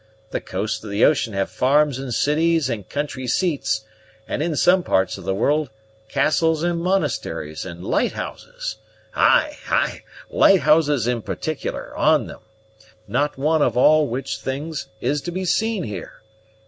The coasts of the ocean have farms and cities and country seats, and, in some parts of the world, castles and monasteries and lighthouses ay, ay lighthouses, in particular, on them; not one of all which things is to be seen here.